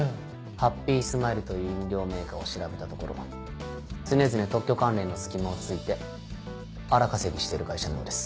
ハッピースマイルという飲料メーカーを調べたところ常々特許関連の隙間をついて荒稼ぎしている会社のようです。